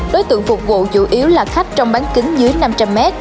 đối tượng phục vụ chủ yếu là khách trong bán kính dưới năm trăm linh m